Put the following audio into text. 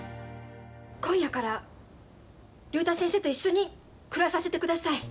今夜から竜太先生と一緒に暮らさせてください。